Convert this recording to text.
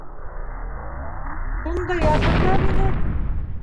- Сунда ятырҙар ине.